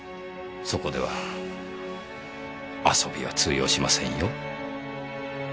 そこでは遊びは通用しませんよ。